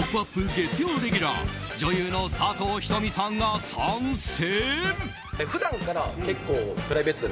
月曜レギュラー女優の佐藤仁美さんが参戦。